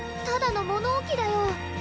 ただの物置だよ。